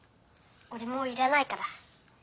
俺もういらないから。